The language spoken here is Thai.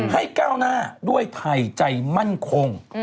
ก้าวหน้าด้วยไทยใจมั่นคง